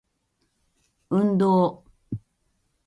運動